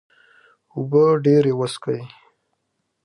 اوبه ډیرې وڅښئ